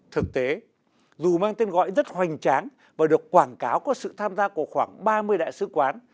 thực tế dù mang tên gọi rất hoành tráng và được quảng cáo có sự tham gia của khoảng ba mươi đại sứ quán